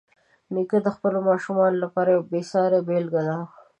نیکه د خپلو ماشومانو لپاره یوه بېسارې بېلګه ده.